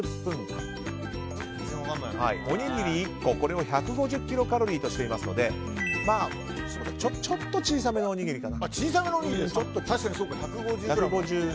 おにぎり１個を１５０キロカロリーとしていますのでちょっと小さめのおにぎりかな。